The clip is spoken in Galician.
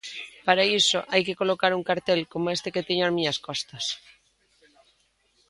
Para iso hai que colocar un cartel coma este que teño as miñas costas.